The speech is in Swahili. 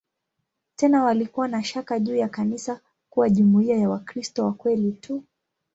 Tena walikuwa na shaka juu ya kanisa kuwa jumuiya ya "Wakristo wa kweli tu".